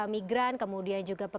migran kemudian juga